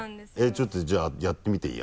ちょっとじゃあやってみていい？